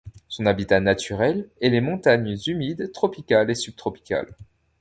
Son habitat naturel est les montagnes humides tropicales et subtropicales.